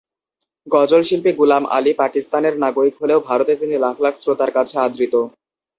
গজলশিল্পী গুলাম আলী পাকিস্তানের নাগরিক হলেও ভারতে তিনি লাখ লাখ শ্রোতার কাছে আদৃত।